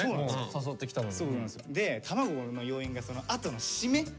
誘ってきたのに。